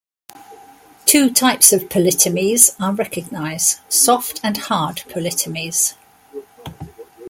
Two types of polytomies are recognised, soft and hard polytomies.